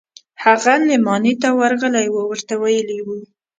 هغه نعماني ته ورغلى و ورته ويلي يې و.